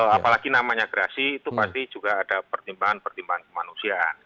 apalagi namanya gerasi itu pasti juga ada pertimbangan pertimbangan kemanusiaan